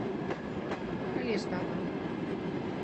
Alí estaban.